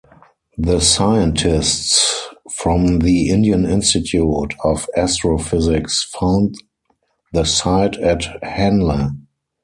The scientists from the Indian Institute of Astrophysics found the site at Hanle.